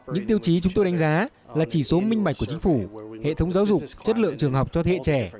những tiêu chí chúng tôi đánh giá là chỉ số minh mạch của chính phủ hệ thống giáo dục chất lượng trường học cho thế hệ trẻ